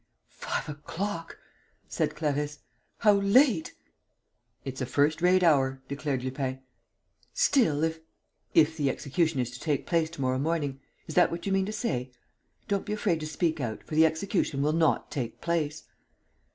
"Five o'clock!" said Clarisse. "How late!" "It's a first rate hour," declared Lupin. "Still, if...." "If the execution is to take place to morrow morning: is that what you mean to say?... Don't be afraid to speak out, for the execution will not take place."